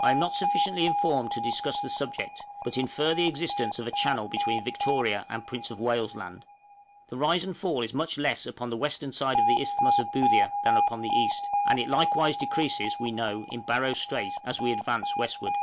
I am not sufficiently informed to discuss this subject, but infer the existence of a channel between Victoria and Prince of Wales' Land. The rise and fall is much less upon the western side of the Isthmus of Boothia than upon the east, and it likewise decreases, we know, in Barrow Strait, as we advance westward.